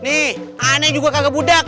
nih aneh juga kagak budak